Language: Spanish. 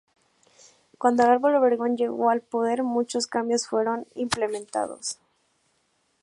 Cuando Álvaro Obregón llegó al poder muchos cambios fueron implementados.